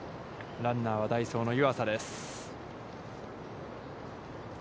ランナーは代走の湯浅です。